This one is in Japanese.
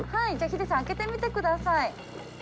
ヒデさん開けてみてください。